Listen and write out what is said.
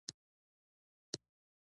غوږونه د صداقت غږ خوښوي